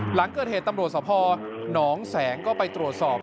หลังเกิดเหตุตำรวจสภหนองแสงก็ไปตรวจสอบ